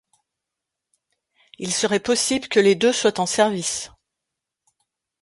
Il serait possible que les deux soient en service.